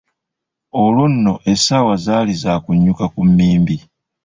Olwo nno essaawa zaali za kunnyuka ku mmimbi.